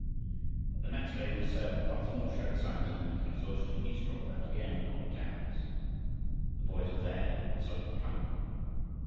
But the next day, when his servant once more showed signs of mental exhaustion, he strolled out again upon the downs. The boys were there and saw him coming.